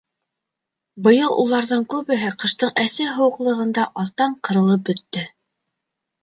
Быйыл уларҙың күбеһе ҡыштың әсе һыуығында астан ҡырылып бөттө.